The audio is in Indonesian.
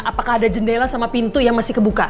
apakah ada jendela sama pintu yang masih kebuka